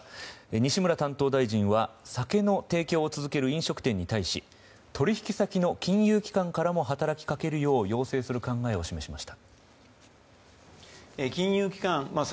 西村担当大臣は酒の提供を続ける飲食店に対し取引先の金融機関からも働きかけるよう要請する考えを示しました。